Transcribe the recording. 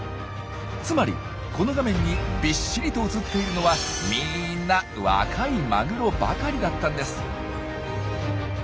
つまりこの画面にびっしりと映っているのはみんな若いマグロばかりだったんです。